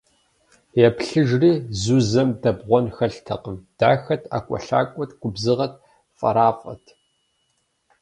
Еплъыжри - Зузэм дэбгъуэн хэлътэкъым: дахэт, ӏэкӏуэлъакӏуэт, губзыгъэт, фӏэрафӏэт!